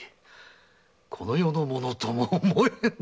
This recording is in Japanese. この世のものとも思えんのう！